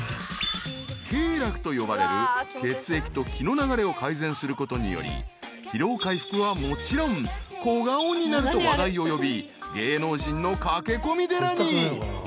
［経絡と呼ばれる血液と気の流れを改善することにより疲労回復はもちろん小顔になると話題を呼び芸能人の駆け込み寺に］